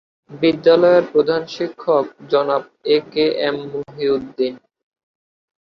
বিদ্যালয়ের প্রধান শিক্ষক জনাব এ কে এম মহিউদ্দীন।